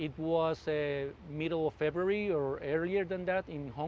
itu di tengah februari atau lebih awal dari itu